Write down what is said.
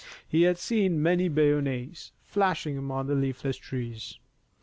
He had seen many bayonets flashing among the leafless trees.